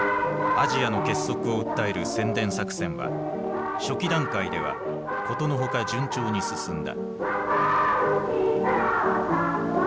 アジアの結束を訴える宣伝作戦は初期段階では殊の外順調に進んだ。